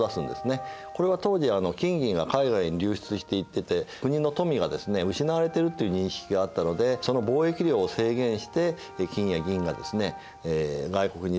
これは当時金銀が海外に流出していってて国の富が失われているという認識があったのでその貿易量を制限して金や銀が外国に出ていかないようにしたわけですね。